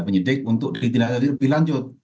penyidik untuk ditindak lebih lanjut